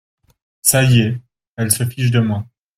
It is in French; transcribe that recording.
Ca y est ! elle se fiche de moi !